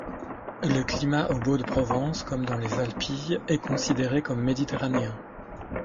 Le climat aux Baux-deProvence, comme dans les Alpilles, est considéré comme méditerranéen.